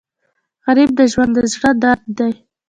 غریب د ژوند د زړه درد دی